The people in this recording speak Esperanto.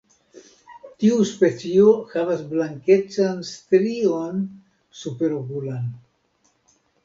Tiu specio havas blankecan strion superokulan.